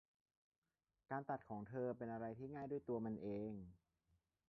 การตัดของเธอเป็นอะไรที่ง่ายด้วยตัวมันเอง